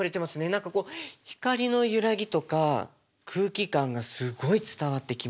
何かこう光の揺らぎとか空気感がすごい伝わってきます。